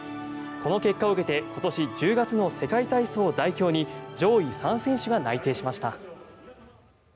この結果を受けて今年１０月の世界体操代表に上位３選手が内定しました。